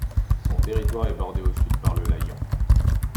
Son territoire est bordé au Sud par le Layon.